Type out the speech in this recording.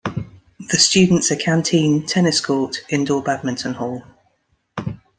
The students a canteen, tennis court, indoor badminton hall.